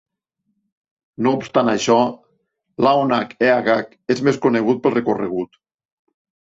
No obstant això, l'Aonach Eagach és més conegut pel recorregut.